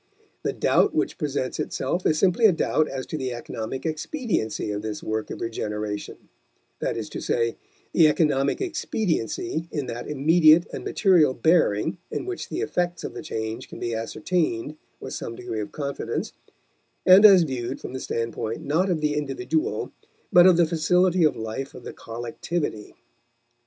The doubt which presents itself is simply a doubt as to the economic expediency of this work of regeneration that is to say, the economic expediency in that immediate and material bearing in which the effects of the change can be ascertained with some degree of confidence, and as viewed from the standpoint not of the individual but of the facility of life of the collectivity.